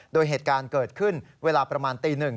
โดยเหตุการณ์เกิดขึ้นเวลาประมาณตี๑